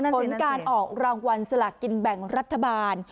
ผลการออกรางวัลสลากกินแบ่งรัฐบาล